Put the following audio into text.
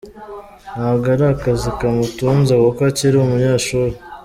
Ntabwo ari akazi kamutunze kuko akiri umunyeshuri.